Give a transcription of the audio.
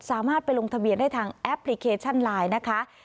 สามารถไปลงทะเบียนได้ทางแอปพลิเคชันไลน์นะคะ